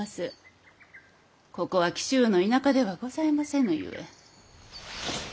ここは紀州の田舎ではございませぬゆえ。